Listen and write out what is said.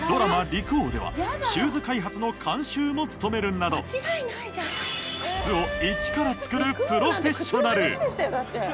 『陸王』ではシューズ開発の監修も務めるなど靴を一から作るプロフェッショナル。